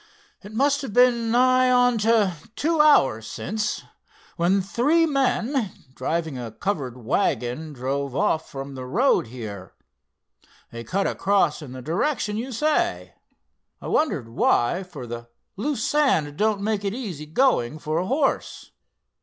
It must have been nigh onto two hours since, when three men, driving a covered wagon, drove off from the road here. They cut across in the direction you say. I wondered why, for the loose sand don't make easy going for a horse.